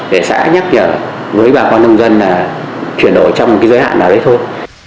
để xã nhắc với bà con nông dân là chuyển đổi trong cái giới hạn nào đấy thôi